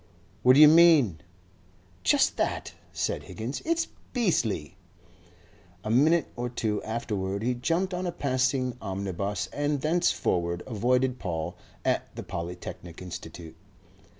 "What do you mean?" "Just that," said Higgins. "It's beastly!" A minute or two afterward he jumped on a passing omnibus, and thenceforward avoided Paul at the Polytechnic Institute.